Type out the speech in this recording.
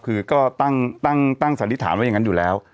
คือก็ตั้งสันนิษฐานไว้อย่างนั้นอยู่แล้ว